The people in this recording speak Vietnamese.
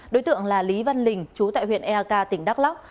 đối tượng là lý văn lình chú tại huyện eak tỉnh đắk lắc